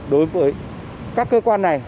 đối với các cơ quan này